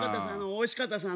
おいしかったです